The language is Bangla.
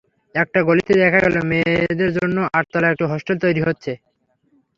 একটি গলিতে দেখা গেল, মেয়েদের জন্য আটতলা একটি হোস্টেল তৈরি হচ্ছে।